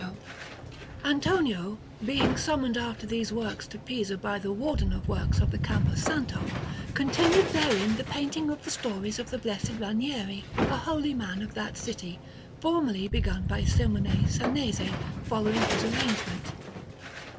Pisa: Campo Santo) Alinari] Antonio, being summoned after these works to Pisa by the Warden of Works of the Campo Santo, continued therein the painting of the stories of the Blessed Ranieri, a holy man of that city, formerly begun by Simone Sanese, following his arrangement.